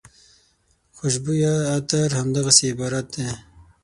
خوشبویه عطر همدغسې عبارت دی.